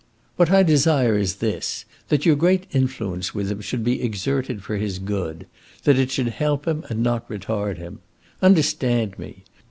"What I desire is this. That your great influence with him should be exerted for his good, that it should help him and not retard him. Understand me.